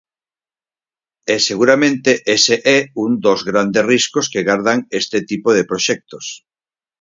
E seguramente ese é un dos grandes riscos que gardan este tipo de proxectos.